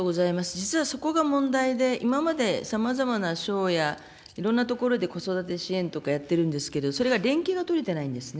実はそこが問題で、今までさまざまな省や、いろんな所で子育て支援とかやっているんですけれども、それが連携が取れていないんですね。